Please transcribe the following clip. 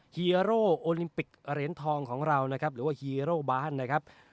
ฮีโร่โอลิมปิกเหรียญทองของเรานะครับหรือว่าฮีโร่บานนะครับ